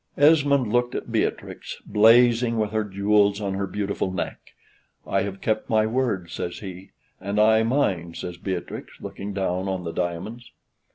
Esmond looked at Beatrix, blazing with her jewels on her beautiful neck. "I have kept my word," says he: "And I mine," says Beatrix, looking down on the diamonds.